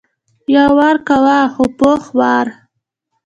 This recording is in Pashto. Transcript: یو وار کوو خو پوخ وار.